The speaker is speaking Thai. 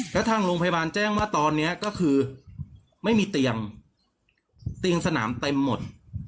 แล้วทางโรงพยาบาลแจ้งว่าตอนนี้ก็คือไม่มีเตียงเตียงสนามเต็มหมด